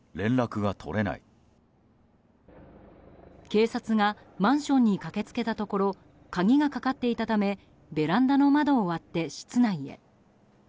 警察がマンションに駆け付けたところ鍵がかかっていたためベランダの窓を割って室内へ。